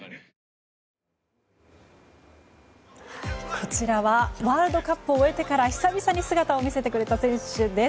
こちらはワールドカップを終えてから久々に姿を見せてくれた選手です。